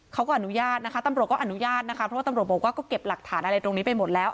เขาก็อนุญาตนะคะตำรวจก็อนุญาตนะคะเพราะว่าตำรวจบอกว่าก็เก็บหลักฐานอะไรตรงนี้ไปหมดแล้ว